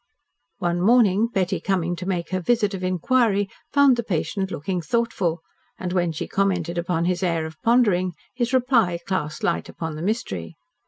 One morning Betty, coming to make her visit of inquiry found the patient looking thoughtful, and when she commented upon his air of pondering, his reply cast light upon the mystery.